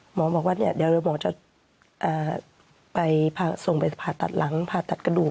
หมอบอกว่าเดี๋ยวหมอจะไปส่งไปผ่าตัดหลังผ่าตัดกระดูก